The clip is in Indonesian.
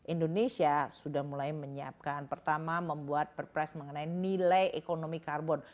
indonesia sudah mulai menyiapkan pertama membuat per price mengenai nilai ekonomi carbon